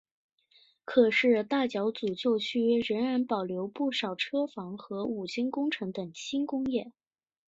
可是大角咀旧区仍然保留不少车房和五金工程等轻工业。